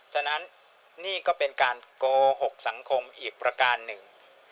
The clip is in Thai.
ฉะนั้นนี่ก็เป็นการโกหกสังคมอีกประการหนึ่ง